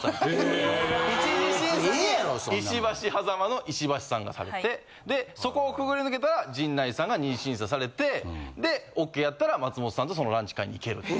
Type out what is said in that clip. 一次審査はイシバシハザマの石橋さんがされてでそこをくぐり抜けたら陣内さんが二次審査されてでＯＫやったら松本さんとそのランチ会に行けると。